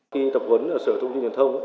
khi tập huấn sở thông tin điện thông